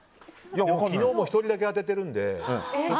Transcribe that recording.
昨日も１人だけ当ててるんで。